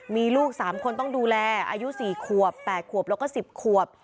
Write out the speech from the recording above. มีลูกสามคนต้องดูแลอายุสี่ขวบแปดขวบแล้วก็สิบขวบ